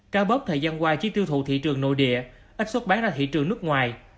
cá bớp thời gian qua chỉ tiêu thụ thị trường nội địa ít xuất bán ra thị trường nước ngoài